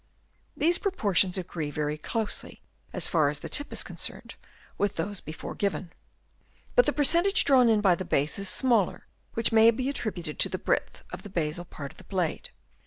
These proportions agree very closely, as far as the tip is con cerned, with those before given. But the per centage drawn in by the base is smaller, which may be attributed to the breadth of the basal part of the blade.